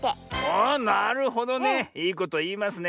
あなるほどね。いいこといいますね。